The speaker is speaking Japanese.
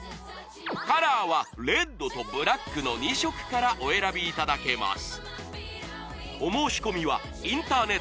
カラーはレッドとブラックの２色からお選びいただけます